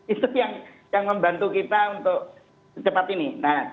itu yang membantu kita untuk secepat ini